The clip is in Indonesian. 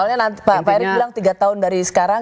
soalnya pak erick bilang tiga tahun dari sekarang